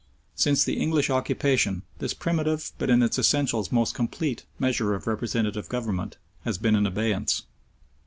Since the English occupation this primitive, but in its essentials most complete, measure of representative government, has been in abeyance.